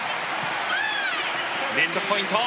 連続ポイント。